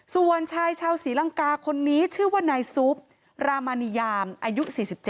ส่วนชายชาวศรีลังกาคนนี้ชื่อว่านายซุปรามานียามอายุ๔๗